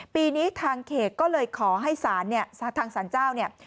ปีนี้ทางเขกก็เลยขอให้ทางสารเจ้า